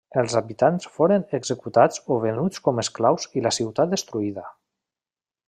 Els habitants foren executats o venuts com esclaus i la ciutat destruïda.